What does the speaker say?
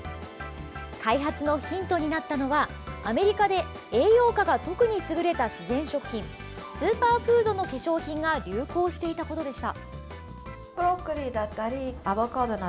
開発のヒントになったのはアメリカで栄養価が特に優れた自然食品スーパーフードの化粧品が流行していたことでした。